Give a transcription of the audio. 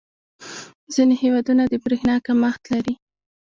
• ځینې هېوادونه د برېښنا کمښت لري.